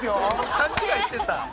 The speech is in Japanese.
勘違いしてた。